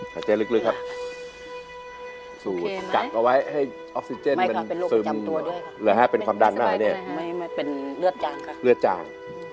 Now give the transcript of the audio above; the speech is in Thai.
เพื่อร้องได้ให้ร้าน